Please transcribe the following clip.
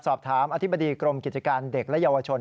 อธิบดีกรมกิจการเด็กและเยาวชน